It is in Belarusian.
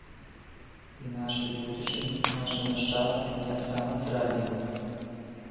І нашай будучыні, нашым нашчадкам вы таксама здрадзілі!